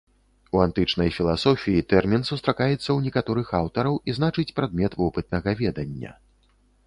У антычнай філасофіі тэрмін сустракаецца ў некаторых аўтараў і значыць прадмет вопытнага ведання.